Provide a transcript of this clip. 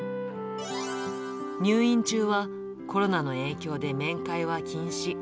入院中はコロナの影響で面会は禁止。